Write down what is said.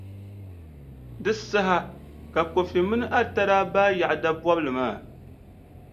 Di saha ka Kofi mini Atta daa baai yaɣi dabɔbʼ.